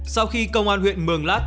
sau khi công an huyện mường lát